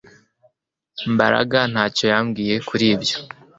Mbaraga ntacyo yambwiye kuri ibyo